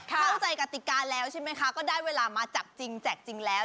เข้าใจกติกาแล้วใช่ไหมคะก็ได้เวลามาจับจริงแจกจริงแล้ว